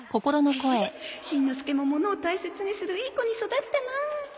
へえしんのすけもものを大切にするいい子に育ったなあ